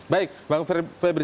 baik bang febri